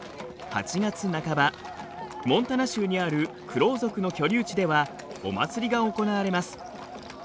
８月半ばモンタナ州にあるクロウ族の居留地ではお祭りが行われます。